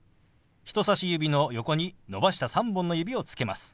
人さし指の横に伸ばした３本の指をつけます。